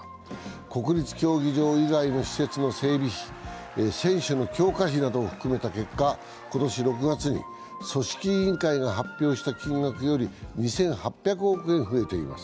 国立競技場以外の施設の整備費、選手の強化費などを含めた結果、今年６月に組織委員会が発表した金額より２８００億円増えています。